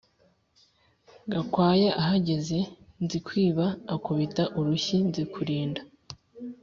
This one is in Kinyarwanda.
gakwaya Ahageze Nzikwiba akubita urushyi Nzikurinda,